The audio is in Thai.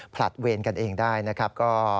ผลัดเวรกันเองได้นะครับ